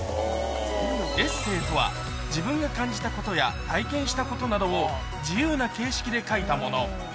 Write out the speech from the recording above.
エッセーとは自分が感じたことや体験したことなどを、自由な形式で書いたもの。